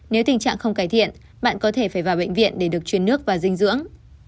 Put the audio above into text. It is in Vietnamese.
nếu tình trạng không cải thiện bạn có thể phải vào bệnh viện để được truyền nước và dinh dưỡng